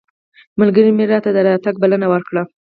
ملګري مې ورته د راتګ بلنه ورکړه.